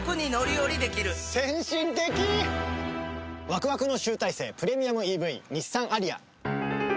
ワクワクの集大成プレミアムＥＶ日産アリア。